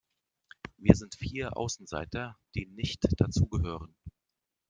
Wir sind vier Außenseiter, die nicht dazugehören.